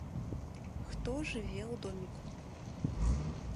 Хто жыве ў доміку?